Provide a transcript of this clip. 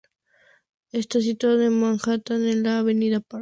Está situado en Manhattan, en la Avenida Park.